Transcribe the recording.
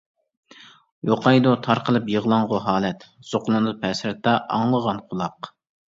يوقايدۇ تارقىلىپ يىغلاڭغۇ ھالەت، زوقلىنىپ ھەسرەتتە ئاڭلىغان قۇلاق.